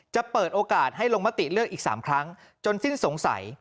จะเปิดโอกาสให้ลงมติเลือกอีก๓ครั้งจนสิ้นสงสัย